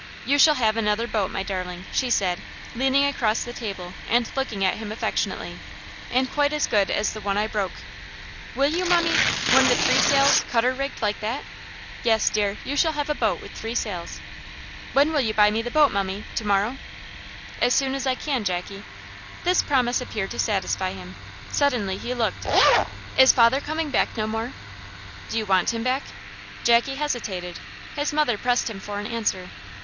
"You shall have another boat, my darling," she said, leaning across the table and looking at him affectionately; "and quite as good as the one I broke." "Will you, mummie? One with three sails, cutter rigged, like that?" "Yes, dear, you shall have a boat with three sails." "When will you buy me the boat, mummie to morrow?" "As soon as I can, Jackie." This promise appeared to satisfy him. Suddenly he looked "Is father coming back no more?" "Do you want him back?" Jackie hesitated; his mother pressed him for an answer.